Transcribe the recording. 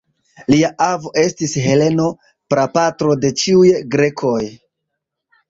Lia avo estis Heleno, prapatro de ĉiuj grekoj.